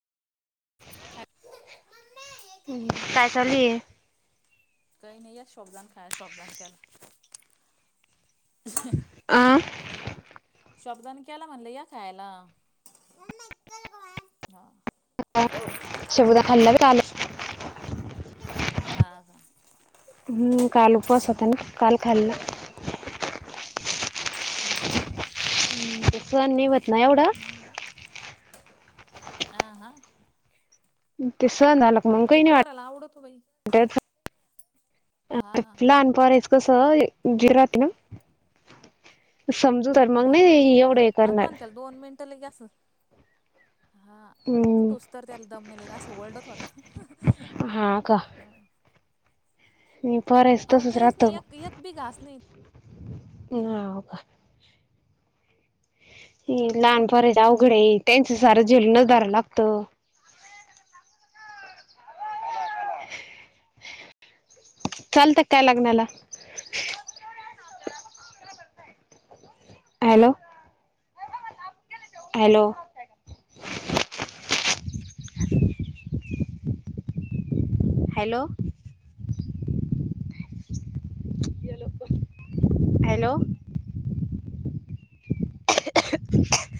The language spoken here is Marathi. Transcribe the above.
हा. हम काय चालू ये. काही नाही या [unintelligible] आ [unintelligible] शाबूदाण केला म्हणल या खायला. शबूदा खाल्ला तुमच्या हा [unintelligible] का हम्म काल उपवास होता बरं ना, काल खाल्ला. हां. सन नई व्हत ना एवढा. आ हां. ते सहण झाल का मगं काही नाई पोराला आवडतो बाई वाटत हा अ लहान पोरायच कसं जे राहत ना समजूतोर मगं हा नाही एवढं हे आता पण करणार. त्याला हां हम्म उटोस्तर त्याल दम नाई लगे असं वरडत होत. हा का? [inaudible] अव तसच काहीस राहत नाई यक बी घास नाई [unintelligible] लहान पोरायचं अवघड हय त्यांचं सारं झेलूनच धरावं लागतं. [inaudible] चालतं काय लग्नाला? Hello hello [inaudible] hello. हॅलो.